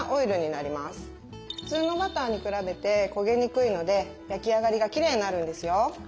普通のバターに比べて焦げにくいので焼き上がりがきれいになるんですよ。